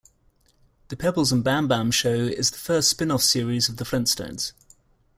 "The Pebbles and Bamm-Bamm Show" is the first spinoff series of "The Flintstones".